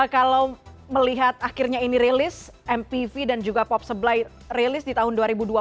kalau melihat akhirnya ini rilis mpv dan juga pop sebelah rilis di tahun dua ribu dua puluh